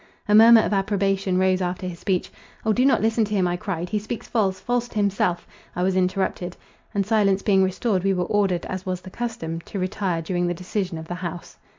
A murmur of approbation rose after his speech. "Oh, do not listen to him," I cried, "he speaks false—false to himself,"—I was interrupted: and, silence being restored, we were ordered, as was the custom, to retire during the decision of the house.